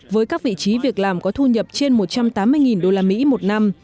với các vị trí việc làm có thu nhập trên một trăm tám mươi usd một năm